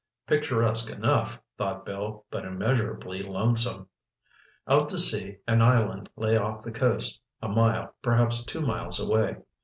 Picturesque enough, thought Bill, but immeasurably lonesome. Out to sea an island lay off the coast, a mile, perhaps two miles away.